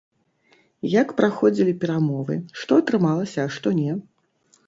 Як праходзілі перамовы, што атрымалася, а што не?